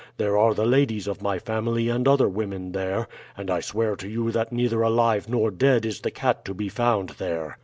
There are the ladies of my family and other women there, and I swear to you that neither alive nor dead is the cat to be found there.'